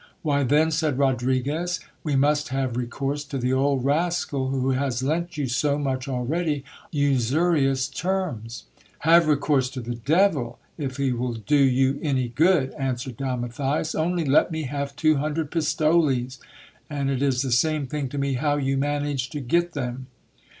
'Why, then," said Rodriguez, 'we must have recourse to the old rascal who has lent you so much already on usurious terms'." "Have recourse to the devil, if he will do you any good,* answered Don Matthias ;'Vmly let me have two hundred pistoles, and it is the same thing to me how you manage to get them'.'